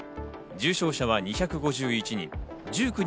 重症者は２５１人。